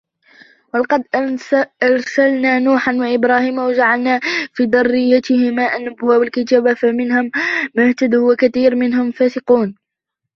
ولقد أرسلنا نوحا وإبراهيم وجعلنا في ذريتهما النبوة والكتاب فمنهم مهتد وكثير منهم فاسقون